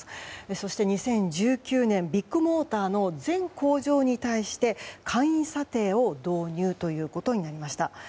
そして２０１９年ビッグモーターの全工場に対して簡易査定を導入ということになりました。